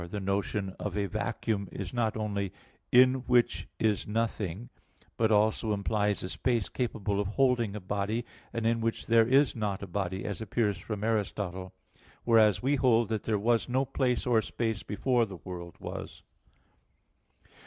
4: The notion of a vacuum is not only "in which is nothing," but also implies a space capable of holding a body and in which there is not a body, as appears from Aristotle (Phys. iv, text 60). Whereas we hold that there was no place or space before the world was.